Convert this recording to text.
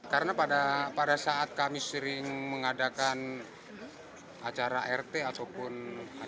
karena pada saat kami sering mengadakan acara rt ataupun acara